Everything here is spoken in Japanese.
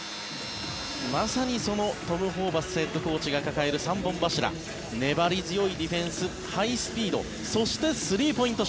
まさに、そのトム・ホーバスヘッドコーチが掲げる三本柱粘り強いディフェンスハイスピードそして、スリーポイント